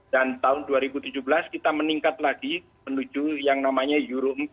dan tahun dua ribu tujuh belas kita meningkat lagi menuju yang namanya euro empat